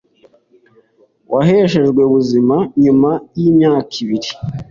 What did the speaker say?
washeshwe buzima nyuma y imyaka ibiri